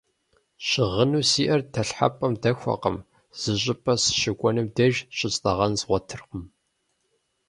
Щыгъыну сиӏэр дэлъхьэпӏэм дэхуэкъым, зы щӏыпӏэ сыщыкӏуэнум деж щыстӏэгъэн згъуэтыркъым.